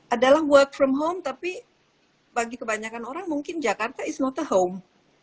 adalah work from home tapi bagi kebanyakan orang mungkin jakarta is not a home